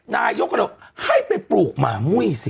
นายกกะโหลให้ไปปลูกหมามุ้ยสิ